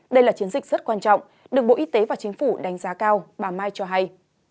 đây là chiến dịch rất quan trọng được bộ y tế và chính phủ đánh giá cao bà mai cho hay